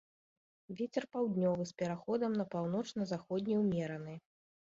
Вецер паўднёвы з пераходам на паўночна-заходні ўмераны.